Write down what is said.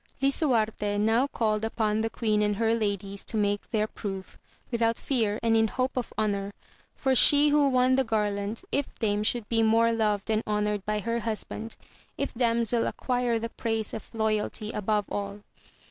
Lisuarte now called upon the queen and her ladies to make their proof, without fear, and in the hope of AMADIS OF GAUL. 45 bonoor ; for she who won the garland, if dame should be more loved and honoured by her husband, if damsel acquire the praise of loyalty above all.